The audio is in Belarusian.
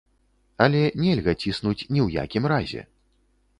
Але нельга ціснуць ні ў якім разе.